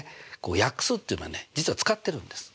約数っていうのはね実は使ってるんです。